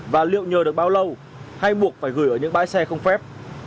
và liệu nhờ được bao lâu hay buộc phải gửi ở những bãi xe không phép